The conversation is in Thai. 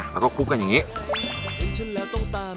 และก็คลุกกันอย่างนี้